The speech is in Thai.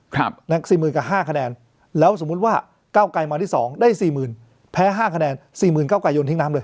๔๐๐๐๐กับ๕คะแนนแล้วสมมุติว่าเก้าไก่มาที่๒ได้๔๐๐๐๐แพ้๕คะแนน๔๐๐๐๐เก้าไก่โดนทิ้งน้ำเลย